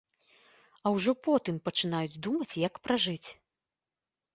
А ўжо потым пачынаюць думаць, як пражыць.